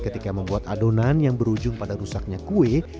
ketika membuat adonan yang berujung pada rusaknya kue